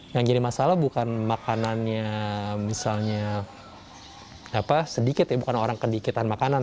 yang jadi masalah bukan makanannya misalnya sedikit ya bukan orang kedikitan makanan